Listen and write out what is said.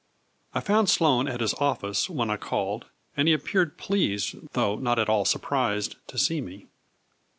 I found Sloane at his office when I called, and he appeared pleased, though not at all sur prised, to see me.